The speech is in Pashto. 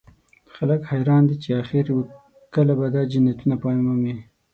خلک حیران دي چې اخر کله به دا جنایتونه پای مومي